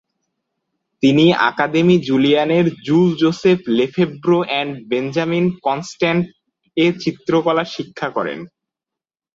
তিনি আকাদেমি জুলিয়ানের Jules Joseph Lefebvre and Benjamin কনস্ট্যান্ট-এ চিত্রকলা শিক্ষা করেন।